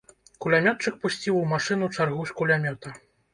Кулямётчык пусціў у машыну чаргу з кулямёта.